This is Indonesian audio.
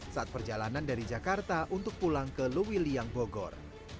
saat perjalanan dari jakarta untuk pulang ke lewiliang bogor